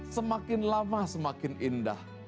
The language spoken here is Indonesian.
semakin lama semakin indah